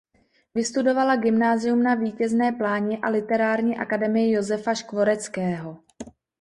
Vystudovala Gymnázium na Vítězné pláni a Literární akademii Josefa Škvoreckého.